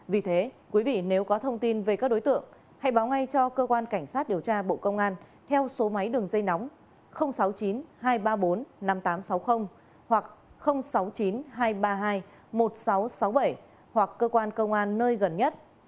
vì thế quý vị nếu có thông tin về các đối tượng hãy báo ngay cho cơ quan cảnh sát điều tra bộ công an theo số máy đường dây nóng sáu mươi chín hai trăm ba mươi bốn năm nghìn tám trăm sáu mươi hoặc sáu mươi chín hai trăm ba mươi hai một nghìn sáu trăm sáu mươi bảy hoặc cơ quan công an nơi gần nhất